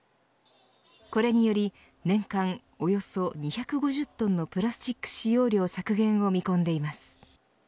これにより年間およそ２５０トンのプラスチック使用量削減を見込んでいます。